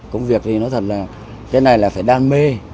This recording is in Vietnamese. công việc thì nói thật là cái này là phải đam mê